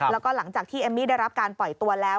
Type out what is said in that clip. แล้วก็หลังจากที่เอมมี่ได้รับการปล่อยตัวแล้ว